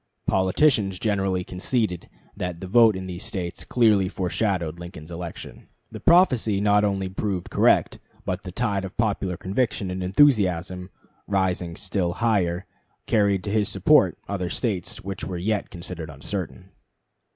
Politicians generally conceded that the vote in these States clearly foreshadowed Lincoln's election. The prophecy not only proved correct, but the tide of popular conviction and enthusiasm, rising still higher, carried to his support other States which were yet considered uncertain.